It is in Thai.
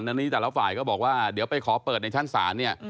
อันนี้แต่ละฝ่ายก็บอกว่าเดี๋ยวไปขอเปิดในชั้นศาลเนี่ย